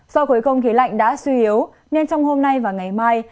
do khối không khí lạnh đã suy yếu nên trong hôm nay và ngày mai